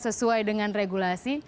sesuai dengan regulasi